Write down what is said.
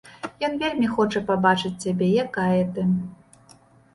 Ён вельмі хоча пабачыць цябе, якая ты.